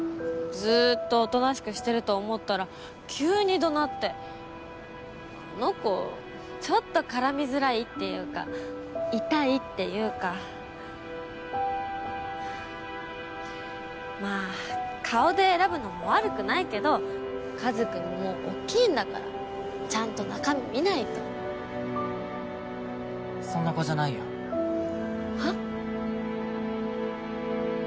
ずっとおとなしくしてると思ったら急にどなってあの子ちょっと絡みづらいっていうかイタいっていうかまぁ顔で選ぶのも悪くないけど和くんももう大っきいんだからちゃんと中身見ないとそんな子じゃないよはっ？